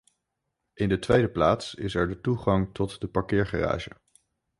In de tweede plaats is er de toegang tot de parkeergarage.